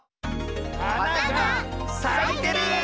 はながさいてる！